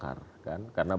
karena bapak adalah